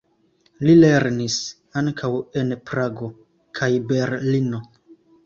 Li lernis ankaŭ en Prago kaj Berlino.